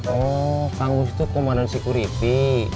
oh kang guz itu komandan security